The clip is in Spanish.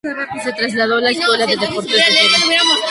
Se trasladó a la escuela de deportes en Jena.